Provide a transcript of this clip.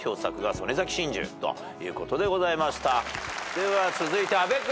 では続いて阿部君。